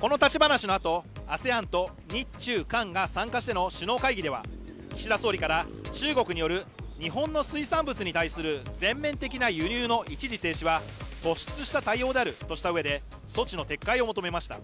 この立ち話の後、ＡＳＥＡＮと日中韓が参加しての首脳会議では岸田総理から中国による日本の水産物に対する全面的な輸入の一時停止は突出した対応であるとして措置の撤回を求めました。